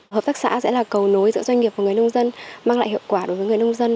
hợp tác xã sẽ là cầu nối giữa doanh nghiệp và người nông dân mang lại hiệu quả đối với người nông dân